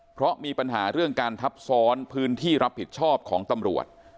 เพราะมีปัญหาเรื่องการทับซ้อนพื้นที่รับผิดชอบของตำรวจ